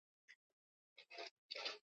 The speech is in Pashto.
منګیسټیو دا وخت د درګ یو بې سیاله مشر و.